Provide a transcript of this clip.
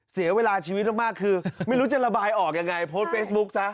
เสียเวลาชีวิตมากคือไม่รู้จะระบายออกยังไงโพสต์เฟซบุ๊คซะ